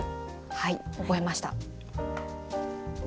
はい覚えました！